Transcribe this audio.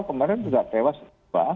kemarin juga dewas pembak